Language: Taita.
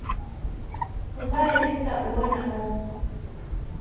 W'aalika uo na oho